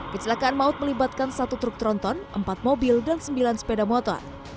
kecelakaan maut melibatkan satu truk tronton empat mobil dan sembilan sepeda motor